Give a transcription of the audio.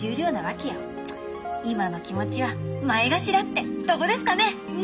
今の気持ちは前頭ってとこですかね。